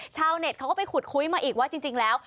เน็ตเขาก็ไปขุดคุยมาอีกว่าจริงแล้ว